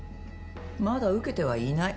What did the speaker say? まだ受けてはいない。